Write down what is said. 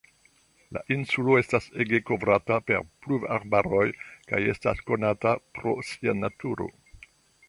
La insulo estas ege kovrata per pluvarbaroj kaj estas konata pro sia naturo.